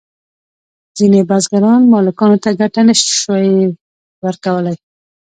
ځینې بزګران مالکانو ته ګټه نشوای ورکولی.